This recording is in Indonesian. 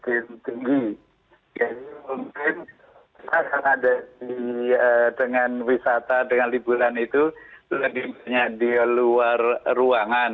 jadi mungkin saya akan ada dengan wisata dengan libulan itu lebih banyak di luar ruangan